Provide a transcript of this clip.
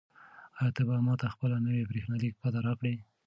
آیا ته به ماته خپله نوې بریښنالیک پته راکړې؟